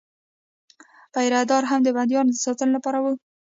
پیره داران هم د بندیانو د ساتنې لپاره وو.